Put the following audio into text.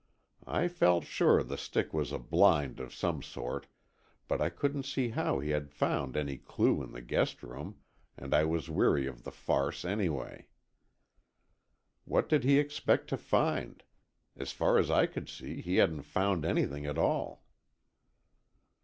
I felt sure the stick was a blind of some sort, but I couldn't see how he had found any clue in the guest room, and I was weary of the farce anyway. What did he expect to find? As far as I could see, he hadn't found anything at all.